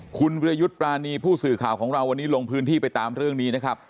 คุณวิรยุทธ์ปรานีผู้สื่อข่าวของเราวันนี้ลงพื้นที่ไปตามเรื่องนี้นะครับ